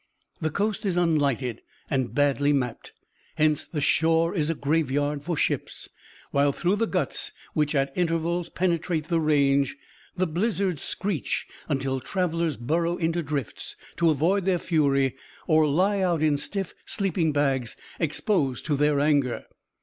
The coast is unlighted and badly mapped, hence the shore is a graveyard for ships, while through the guts, which at intervals penetrate the range, the blizzards screech until travellers burrow into drifts to avoid their fury or lie out in stiff sleeping bags exposed to their anger.